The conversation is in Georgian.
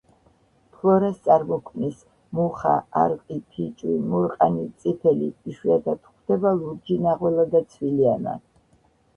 ფლორას წარმოქმნის: მუხა, არყი, ფიჭვი, მურყანი, წიფელი; იშვიათად გვხვდება ლურჯი ნაღველა და ცვილიანა.